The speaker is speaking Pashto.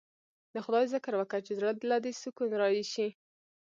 د خداى ذکر وکه چې زړه له دې سکون رايشي.